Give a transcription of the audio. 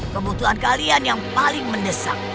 kebutuhan kalian yang paling mendesak